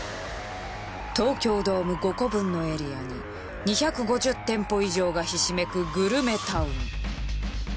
東京ドーム５個分のエリアに２５０店舗以上がひしめくグルメタウン。